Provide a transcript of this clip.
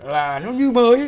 là nó như mới